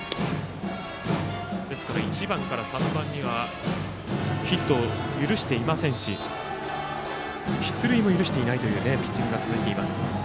ですから、１番から３番にはヒットを許していませんし出塁も許していないピッチングが続いています。